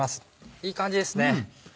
いい感じですね。